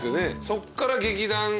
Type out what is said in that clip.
そっから劇団。